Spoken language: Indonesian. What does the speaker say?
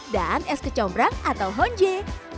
dan es kecombrang atau honje